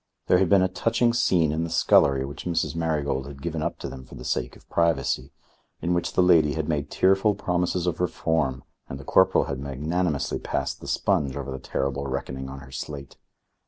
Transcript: There had been a touching scene in the scullery which Mrs. Marigold had given up to them for the sake of privacy, in which the lady had made tearful promises of reform and the corporal had magnanimously passed the sponge over the terrible reckoning on her slate.